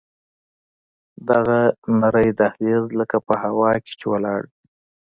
دغه نرى دهلېز لکه په هوا کښې چې ولاړ وي.